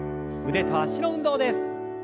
腕と脚の運動です。